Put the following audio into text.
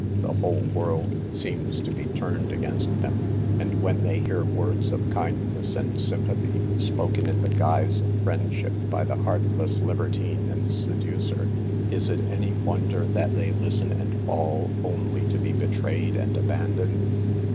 The whole world 164 SAVE THE GIBLS. seems to be turiled against them, and when they hear words of kindness and sympathy, spoken in the guise of friendship by the heart less libertine and seducer, is it any wonder that they listen and fall, only to be betrayed and abandoned?